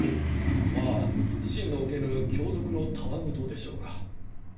まあ信の置けぬ凶賊のたわ言でしょうが。